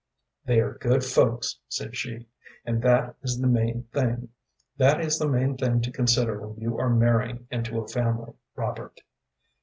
"They are good folks," said she, "and that is the main thing. That is the main thing to consider when you are marrying into a family, Robert.